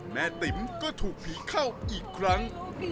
ติ๋มก็ถูกผีเข้าอีกครั้ง